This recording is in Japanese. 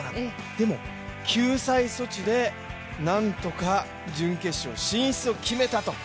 でも救済措置でなんとか準決勝進出を決めたと。